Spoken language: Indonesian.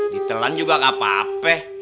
ditelan juga gapapa